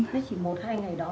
nó chỉ một hai ngày đó